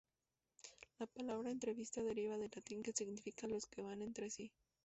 La palabra "entrevista" deriva del latín que significa "Los que van entre sí".